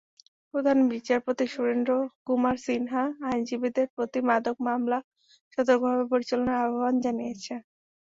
প্রধান বিচারপতি সুরেন্দ্র কুমার সিনহা আইনজীবীদের প্রতি মাদকের মামলা সতর্কভাবে পরিচালনার আহ্বান জানিয়েছেন।